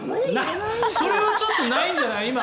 それはちょっとないんじゃない？